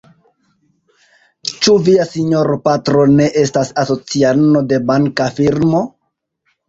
Ĉu via sinjoro patro ne estas asociano de banka firmo?